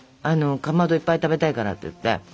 かまどいっぱい食べたいからって言って。